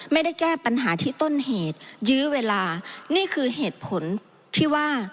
ไม่ได้แก้ปัญหาที่ต้นเหตุยื้อเวลานี่คือเหตุผลที่ว่า